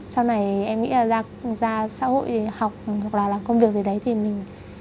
sau này em nghĩ là ra xã hội học hoặc là làm công việc gì đấy thì mình